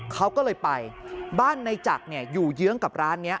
เขาก็เลยไปบ้านในจักรอยู่เยื้องกับร้านนี้